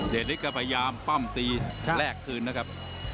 เดริสก็พยายามปั้มตีแลกคืนนะครับ